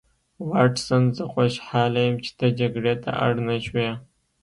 واټسن زه خوشحاله یم چې ته جګړې ته اړ نشوې